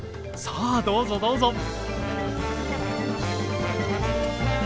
さあどうぞどうぞ。